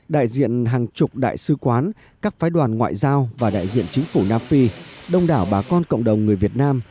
đại diện hàng chục đại sứ quán các phái đoàn ngoại giao và đại diện chính phủ nam phi đông đảo bà con cộng đồng người việt nam